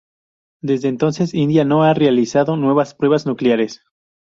Desde entonces India no ha realizado nuevas pruebas nucleares.